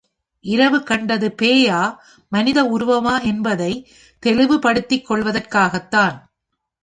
இரவு கண்டது பேயா, மனித உருவமா என்பதைத் தெளிவுப்படுத்திக் கொள்வதற்காகத்தான்.